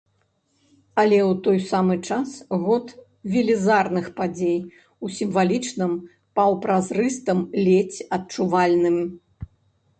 Але ў той самы час год велізарных падзей у сімвалічным, паўпразрыстым, ледзь адчувальным.